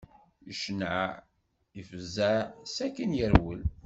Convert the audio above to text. Icneɛ, ifẓeɛ sakin yerwel.